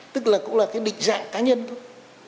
tức là cũng là cái định dạng cá nhân thôi